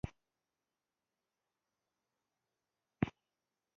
هېڅکله په داسې شرايطو کې مې نه بوه.